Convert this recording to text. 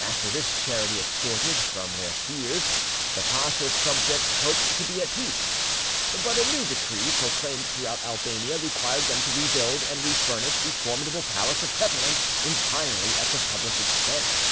After this charity extorted from their fears, the pacha's subjects hoped to be at peace. But a new decree proclaimed throughout Albania required them to rebuild and refurnish the formidable palace of Tepelen entirely at the public expense.